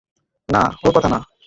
না, ওর কথা না!